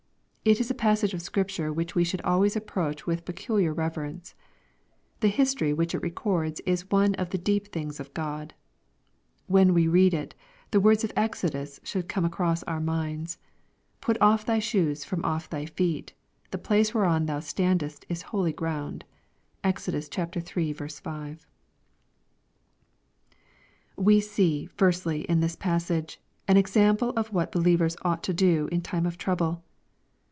It is a passage of Scripture which we should always approach with peculiar rever ence. The history which it records is one of the " deep things of God." While we read it, the words of Exodus should come across our minds, " Put off thy shoes from off thy feet ; the place whereon thou standest is holy ground." (Exod. iii. 5.) We see, firstly, in this passage, an example of what he lievers ought to do in time of trouble.